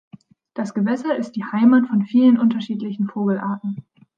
Das Gewässer ist die Heimat von vielen unterschiedlichen Vogelarten.